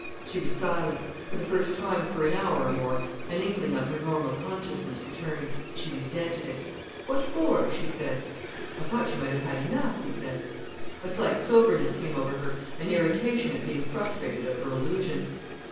She was silent. For the first time for an hour or more an inkling of her normal consciousness returned. She resented it. "What for?" she said. "I thought you might have had enough," he said. A slight soberness came over her, an irritation at being frustrated of her illusion.